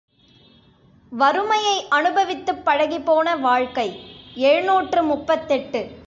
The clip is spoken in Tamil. வறுமையை அனுபவித்துப் பழகிப்போன வாழ்க்கை எழுநூற்று முப்பத்தெட்டு.